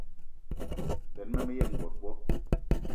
Benn ma me yen bot bo.